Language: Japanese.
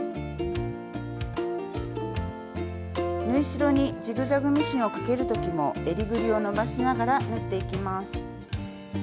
縫い代にジグザグミシンをかける時もえりぐりを伸ばしながら縫っていきます。